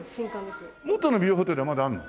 元のビューホテルはまだあるの？